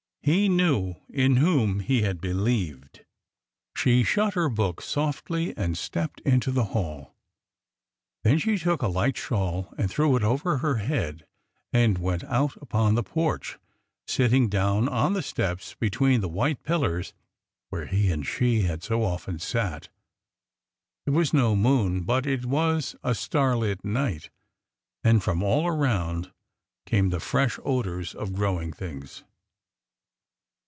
...'' He knew in whom he had believed.'' She shut her book softly and stepped into the hall. There she took a light shawl and threw it over her head and went out upon the porch, sitting down on the steps between the white pillars where he and she had so often sat. There was no moon, but it was a starlit night, and from all around came the fresh odors of growing things.